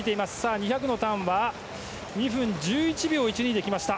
２００のターンは２分１１秒１２で来ました。